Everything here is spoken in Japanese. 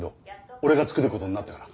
俺が作る事になったから。